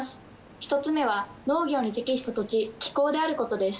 １つ目は農業に適した土地・気候であることです。